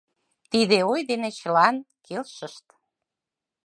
Тиде ой дене чылан келшышт.